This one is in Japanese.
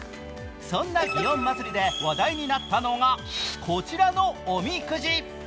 そんな祇園祭で、話題になったのがこちらのおみくじ。